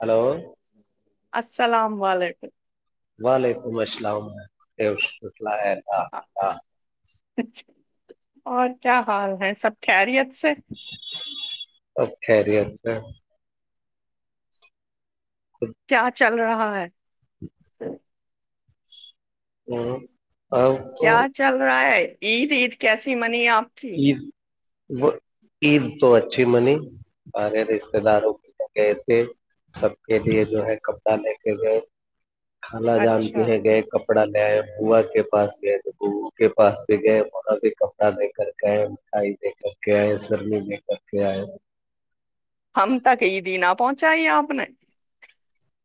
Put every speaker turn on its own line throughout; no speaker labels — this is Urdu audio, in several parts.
ہلو
السلام علیکم
وعلیکم السلام خیر ہ
اور کیا حال ہے سب خیریت سے
سب خیریت ہے
کیا چل رہا ہے اچھ
ہوں
کیا چل رہا ہے عید عید کیسی منی آپ اچھی
عید وہ عید تو اچھی منی ہمارے رشتے داروں کے لے گئے تھے سب کے لیے جو ہے کپڑا لے کے گئے کالا جان پ
اچھا
ہے گئے کپ کپڑ لے آئے بوا کے پاس گئے تو بو کے پا بھی گئے وہا بھی کپڑا لیکر کہ منکھھائی د کر کے آئے سرد میں کر کے آئے
پہنچاائی آپ نے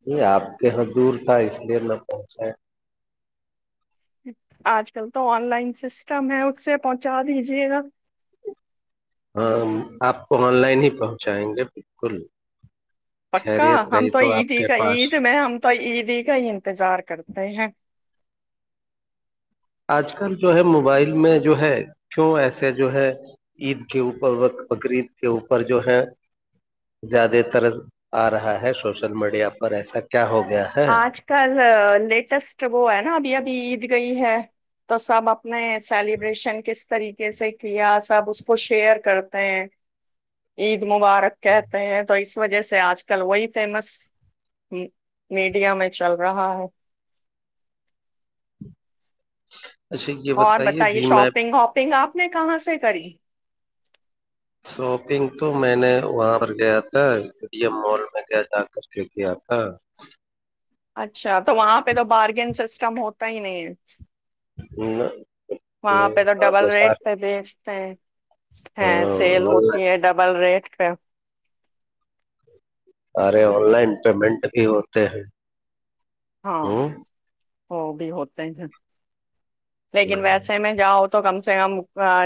یہ آپ کے یہاں دور تھا اس لیے نہ پہنچا
آج کل تو آن لائن سسٹم ہے اس سے پہنچا دیجے گا
ہاں آپ کو آن لائن ہی پہنچائیں گے بالکل
پکا
خیریت
ہم
رہی
تو عید
آپ
ہی
کے
کا
پاس
عید میں ہم تو عید ہی کا ہی انتظار کرتے ہیں
آج کل جو ہے موبائل میں جو ہے کیوں ایسے جو ہے عید کے اوپر وقت بقرید کے اوپر جو ہے زیادہ طرز آ رہا ہے سوشل میڈیا پر ایسا کیا ہوگا
آج کل لیٹسٹ وہ ہے نا ابھی ابھی گئی ہے تو سب نہیں سیلیبریشن کس طریقے سے کیا سب اس کو شیئر کرتے ہیں عید مبارک کہتے ہیں تو اس وجہ سے آج کل وہی فیمس ہ میڈیا میں چل رہا ہے
اچھا یہ
اور بتائیے
بھی میں
شاپنگ واپنگ آپ نے کہاں سے کری
شاپنگ تو میں نے وہاں پر گیا تھا وڈیم مال میں گ جا کر کے کیا تھا
اچھا تو وہاں پہ تو بارگین سسٹم ہوتا ہی نہیں ہے [unintelligible] وہاں پہ تو
ہاں
ڈبل ریٹ
سارے
پہ بیچتے ہیں [unintelligible] ہ سیل
آن
ہوتی
لائن
ہے ڈبل ریٹ [unintelligible] ہ [unintelligible]
سارے آن لائن پیمنٹ بھی ہوتے ہیں [unintelligible]
ہاں [unintelligible] وہ بھی ہوتے ہیں [unintelligible] لیکن
ہ
ویسے میں جا ہوتا [unintelligible] تو کم سے کم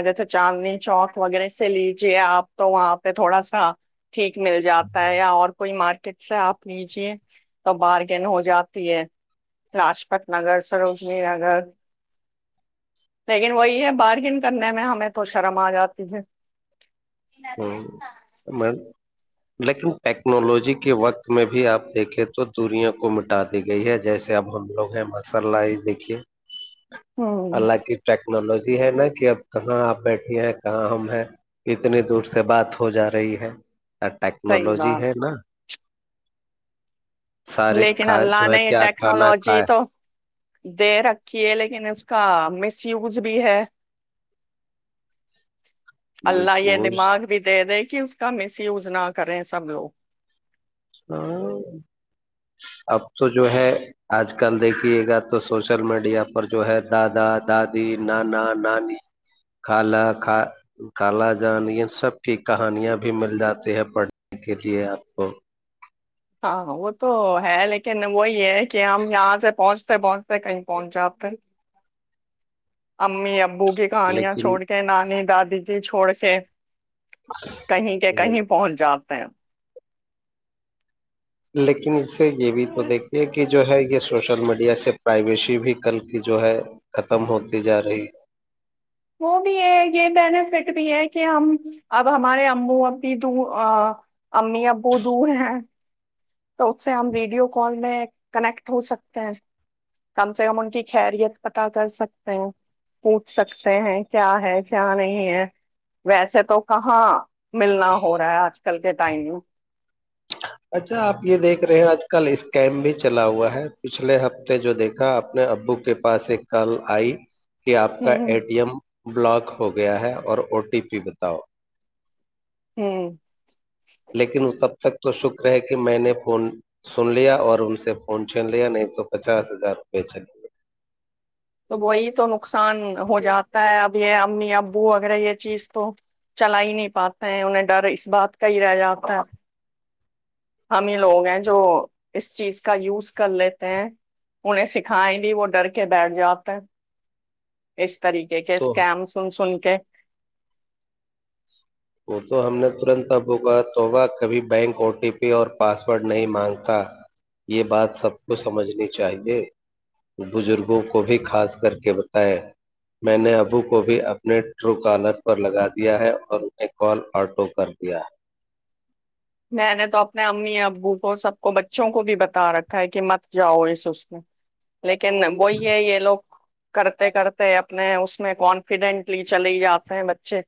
جیسے چاندنی چوک وغیرہ سے لیجیے آپ تو وہاں پہ تھوڑا سا [unintelligible] ٹھیک مل جاتا ہے یا اور کوئی مارک [unintelligible] کت سے آپ لیجیے تو بارگین ہو جاتی ہے لاجپت نگر سروجنی نگر [unintelligible] لیکن وہی ہے بارگن کرنے میں ہمیں تو شرم آ جاتی ہے [unintelligible]
ہوں میں [unintelligible] لیکن ٹیکنالوجی کے وقت میں بھی آپ دیکھیں تو دوریا کو مٹا دی گئی ہے جیسے اب ہم لوگ ہیں ماشاء اللہ اس دیکھیے [unintelligible]
ہوں
اللہ کی ٹیک [unintelligible] ٹیکنالوجی ہے نا کہ اب کہاں آپ بیٹھیے ہیں کہاں ہم ہیں اتنی دور سے [unintelligible] سے بات ہو جا رہی ہے [unintelligible] کیا
صحیح
ٹیکنالوجی
بات
ہے نا [unintelligible] سارے
لیکن
کھا
اللہ
جو ہے
نے
کیا کھانا
ٹیکنالوجی
کھائے
تو دے رکھیے لیکن اس کا مس یوز بھی ہے
مس
اللہلہ یہ
یوز
دماغ بھی دے دے کہ اس کا مس یوز نہ کریں سب لوگ
اب تو جو ہے آج کل دیکھیے گا تو سوشل میڈیا پر جو ہے دادا دادی نانا نانی کالا کا کالا جان یہ سب کی کہانیاں بھی مل جاتی ہیں پڑھنے کے لیے آپ کو [unintelligible]
ہاں وہ تو ہے لیکن وہی ہے کہ ہم یہاں سے پہنچتے پہنچتے کہیں پہنچ جات ت امی ابو کہانیا چھوڑ
لیکن
کے نانی داد دی چھوڑ سے [unintelligible] کہیں کہ کہیں پہنچ جاپ ت [unintelligible]
لیکن [unintelligible] سے یہ بھی تو
ہوں،
دیکھتی کہ [unintelligible] جو ہے یہ سوشل میڈیا سے پرائیویسی بھی کل کی جو ہے ختم ہوتی جا رہی [unintelligible]
وہ بھی ہے یہ بینیفٹ بھی ہے کہ ہم اب ہمارے امو ا بھی امی ابو دور ہیں تو اس سے ہم ویڈیو کال میں کنیکٹ ہو سکتے ہیں کم سے کم ان کی خیریت پتا کر سکتے ہیں پوچھ سکتے ہیں کیا ہے کیا نہیں ہے ویسے تو کہاں ملنا ہو رہا ہے آج کل کل کے ٹائوں
اچھا آپ یہ دیکھ رہے ہیں آج کل اسکم بھی چلا ہوا ہے پچھلے ہفتے جو دیکھا اپنے ابو کے پاس ایک کال آئی کہ آپ کا ا
ہوں
ٹی ایم بلاک ہو گیا ہے اور او ٹی پی بتاؤ
ہوں
لیکن تب تک تو شکر ہے کہ میں نے فون سن لیا اور ان سے فون چھین لیا نہیں تو پچاس ہزار روپے چلے گئے
تو وہی تو نقصان ہو جاتا ہے اب یہ امی ابو اگر یہ چیز تو چلا ہی نہیں پاتا ہے انہیں ڈر اس بات کا ہی رہ جاتا ہے ہم ہی لوگ ہیں جو اس چیز کا یوز کر لیتے ہیں انہیں سکھائیں بھی وہ ڈر کے بیٹھ جاتا ہے اس طریق کے
تو
اسکم س سن کہ
وہ تو ہم نے ترنت ابو کا توبہ کبھی بینک او ٹی پی اور پاسورڈ نہیں مانگتا یہ بات سب کو سمجھنی چاہیے بزرگوں کو بھی خاص کر کے بتائے میں نے ابو کو بھی اپنے ٹرو کالر پر لگا دیا ہے اور کال آٹو کر دیا
میں نے تو اپنے امی ابو کو سب کو بچوں کو بھی بتا رکھا ہے کہ مت جاؤ اس اس میں لیکن وہی ہے یہ لوگ کرتے کرتے اپنے اس میں کانفیڈینٹلی چلے ہی جاتے ہیں بچے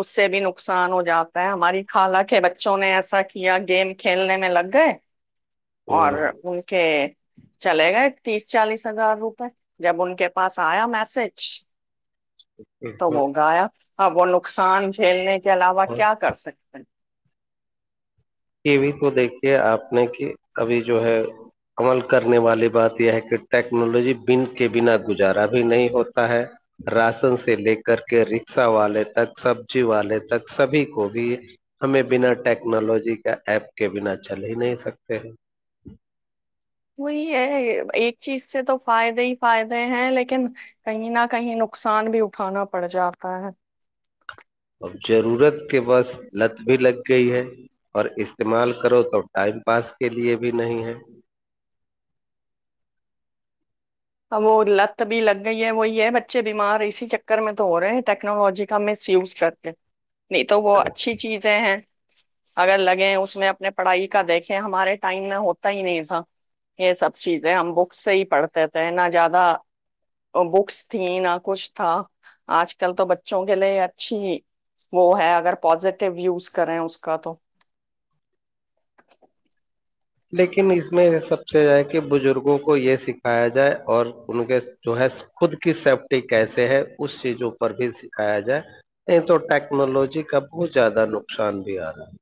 اس سے بھی نقصان ہو جاتا ہے ہماری خالق ہے بچوں نے ایسا ایسا کیا گیم کھیلنے میں لگ گئے اور
ہے
ان کے چلے گئے تیس چالیس ہزار روپئے جب ان کے پاس آیا میسج تو ہو گا یاپ ہاں وہ نقصان جھیلنے کے علاوہ
اور
کیا کر سکتے ہیں
وی تو دیکھیے آپ نے کہ ابھی جو ہے عمل کرنے والی بات یہ ہے کہ ٹیکنالوجی بن کے بنا گزارا بھی نہیں ہوتا ہے راشن سے لے کر کے رکشا والے تک سبزی والے تک سبھی کو بھی ہمیں بنا ٹیکنالوجی ایپ کے بنا چل ہی نہیں سکتے ہیں
وہی ہے ایک چیز سے تو فائدے ہی فائدے ہیں لیکن کہیں نہ کہیں نقصان بھی اٹھانا پڑ جاتا ہے
اب ضرورت کے بس لت بھی لگ گئی ہے اور استعمال کرو تو ٹائم پاس کے لیے بھی نہیں ہے
اب وہ لت بھی لگ گئی ہے وہی ہے بچے بیمار اسی چکر میں تو ہو رہے ہیں ٹیکنالوجی کا مس یوز کرتے نہیں تو وہ اچھی چیزیں ہیں اگر لگے اس میں اپنے پڑھائی کا دیکھیں ہمارے ٹائم میں ہوتا ہی نہیں تھا یہ سب چیزیں ہم بک سے ہی پڑھتے تھے نہ زیادہ بکس تھی نہ کچھ تھا آج کل تو بچوں کے لیے اچھی وہ ہے اگر پزیٹیو یوز کریں اس کا تو
لیکن اس میں سب سے ہے کہ بزرگوں کو یہ سکھایا جائے اور ان کے جو ہے خود کی سیفٹی کیسے ہے اس چیزوں پر بھی سکھایا جائے نہیں تو ٹیکنالوجی کا بہت زیادہ نقصان بھی آ رہا ہے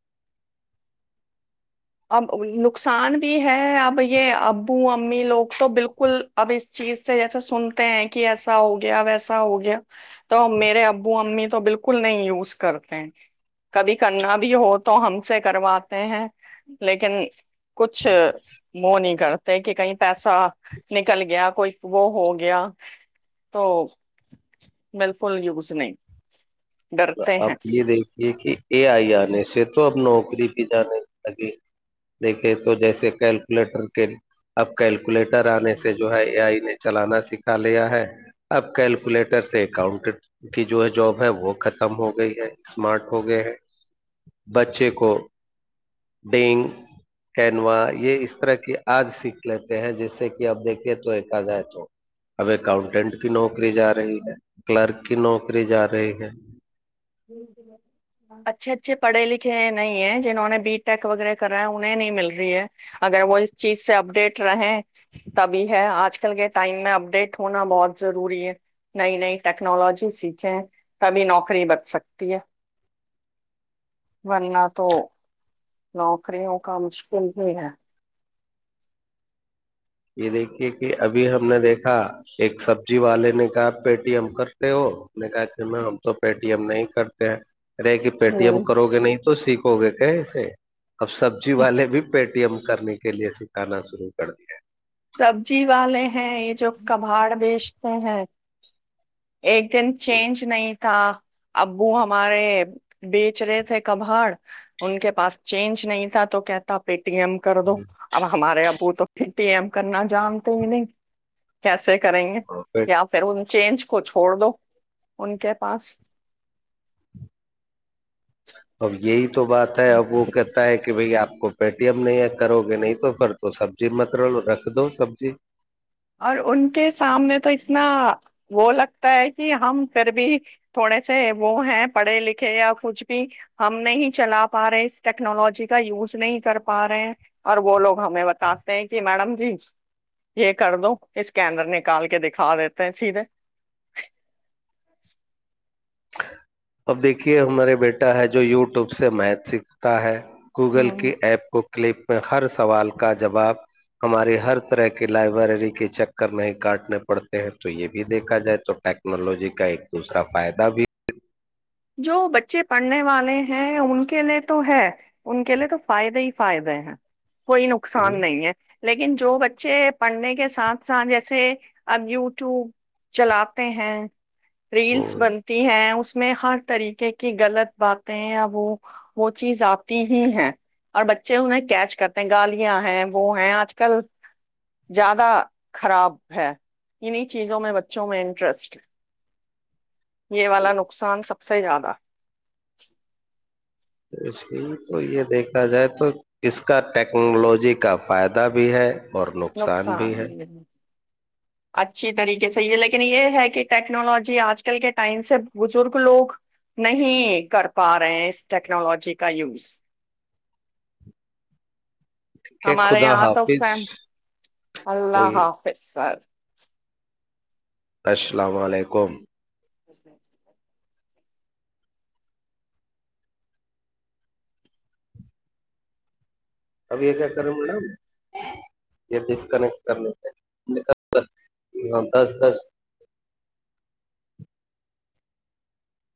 اب نقصان بھی ہے اب یہ ابو امی لوگ تو بالکل اب اس چیز سے جیسے سنتے ہیں کہ ایسا ہو گیا ویسا ہو گیا تو میرے ابو امی تو بالکل نہیں یوز کرتے ہیں کبھی کرنا بھی ہو تو ہم سے کرواتے ہیں لیکن کچھ وہ نہیں کرتے کہ کہیں پیسہ نکل گیا کوئی وہ ہو گیا تو بالکل یوز نہیں ڈرتے
آپ یہ دیکھیے کہ اے آئی آنے سے تو ا نوک بھی جانے لگے دیکھے تو جیسے کیلکولیٹر کے اب کیلک لیٹر آنے سے
ہیں
جو ہے اے آئی نے چلانا سکھا لیا ہے اب کیلکولیٹر سے اکاؤنٹر کی جو جاب ہے وہ ختر م ہو گئی ہے اسمارٹ ہو گئے ہے بچے کو ڈگ کینوا یہ اس طرح کی آج سیکھ لیتے ہیں جیسے کہ اب دیکھیے تو ایکا جائے تو اب اکاؤنٹینٹ کی نوکری جا رہی ہے کلرک کی نوکری جا رہی ہے
اچھے اچھے پڑھے لکھے نہیں ہیں جنہوں نے بی ٹیک وغیرہ کرا ہے انہیں نہیں مل رہی ہے اگر وہ اس چیز سے اپڈیٹ رہے تبھی ہے آج کل کے ٹائم میں اپڈیٹ ہونا بہت ضروری ہے نئی نئی ٹیکنالوجی سیکھیں تبھی نوکری بت سکتی ہے بننا تو نوکریوں کا مشکل ہی ہے
یہ دیکھیے کہ ابھی ہم نے دیکھا ایک سبزی والے نے کہا پےٹی ایم کرتے ہو نے کہا کہ میں ہم تو پےٹی ایم نہیں کرتے ہیں رہے کہ پے ٹی ایم
ہ
کرو گے نہیں تو سیکھ ہو گے کہ ایسے اب سبزی والے بھی پےٹی ایم کرنے کے لیے سکھانا شروع کر دیا ہے [unintelligible]
سبزی والے ہیں یہ جو کباڑ بیچتے ہیں [unintelligible] ایک دن چینج نہیں [unintelligible] تھا ابو ہمارے بیچ رہے تھے کبھڑ ان کے پاس چینج نہیں تھا تو کہتا پ [unintelligible] ایم کر دو اب ہمارے ابو تو [unintelligible] پیم [inaudible] کرنا جانتے ہی نہیں کیسے [unintelligible] کریں گے
ہے، اور پے
یا پھر و [inaudible] چینج کو چھوڑ دو ان کے پاس [unintelligible]
ا [inaudible] اب یہی تو بات ہے اب وہ کہتا ہے کہ بھائی آپ کو [unintelligible] پےٹی ایم نہیں ہے کرو گے نہیں تو پر تو سبزی مت رکھ دو سبزی [unintelligible]
اور ان کے سامنے تو اتنا وہ لگتا ہے کہ ہم پھر بھی تھوڑے سے وہ ہیں پڑھے لکھے یا کچھ بھی ہم نہیں چلا پا رہے اس ٹیکنالوجی کا یوز نہیں کر پا [unintelligible] رہے ہیں اور وہ لوگ ہمیں بتاتے ہیں کہ میڈم [unintelligible] ج ایک [inaudible] کر دو اس کیڈر نکال کے دکھا دیتے ہیں سیدھے [unintelligible]
اب دیکھیے ہمارے بیٹا ہے جو یوٹیوب سے میتھ سیکھتا ہے گوگل
ہ
کے ایپ کو [unintelligible] کلپ میں ہر سوال کا جاب ہماری ہر طرح کی لائبریری کے چکر نہیں کاٹنے پڑتے ہیں تو یہ بھی دیکھا جائے تو ٹیکنالوجی کا ایک دوسرا فائدہ [unintelligible] بھی
جو بچے پڑھنے والے ہیں ان کے لیے تو ہے ان کے لیے تو فائدے ہی فائدے ہیں [unintelligible] کوئی نقصان نہیں ہے [unintelligible] لیکن جو بچے پڑھنے کے ساتھ ساتھ جیسے اب یوٹیوب چلاتے ہیں [unintelligible] ریلس
ہوں۔
بنتی ہیں اس [unintelligible] میں ہار [inaudible] طریقے کی غلط باتیں وہ وہ چیز آتی ہی ہیں اور بچے انہیں کیچ کرتے ہیں گالیاں ہیں وہ ہیں آج کل زیادہ خراب ہے انیں چیزوں میں بچوں میں انٹرسٹ یہ والا نقصان سب [unintelligible] صحی زیادہ [inaudible]
اس تو یہ دیکھا جائے تو اس کا ٹیکنالوجی کا فائدہ بھی ہے [unintelligible] اور نقصان بھی ہے [unintelligible]
اچھی طریقے سے یہ لیکن یہ ہے کہ ٹیکنالوجی آج کل کے ٹائم سے بزرگ لوگ نہیں کر پا رہے ہیں اس ٹیکنالوجی کا یوز [unintelligible]
کہ
ہمارے
خدا
یہ آ
حافظ
فم اللہ
کوئی
حافظ [unintelligible]
السلام علیکم [unintelligible]
اچ [inaudible]
اب یہ کیا کریں مڈ یہ ڈسکنیکٹ کرنے ہاں دس دس [unintelligible]